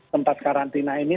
tempat karantina ini